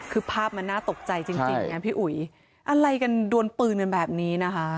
คือภาพน่าน่าตกใจอะไรกันโดนปืนแบบนี้นะคะ